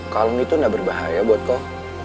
kalung itu tidak berbahaya buat kau